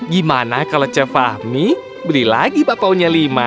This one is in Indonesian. gimana kalau chef fahmi beli lagi bakpaonya lima